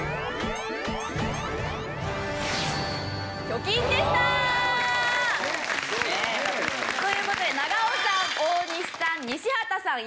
そうだよね。という事で長尾さん大西さん西畑さん